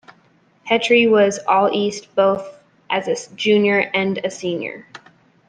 Petrie was All-East both as a junior and a senior.